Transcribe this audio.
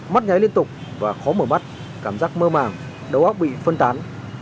mắt nhái liên tục và khó mở mắt cảm giác mơ màng đầu óc bị phân tán